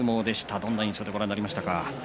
どんな印象でご覧になりましたか。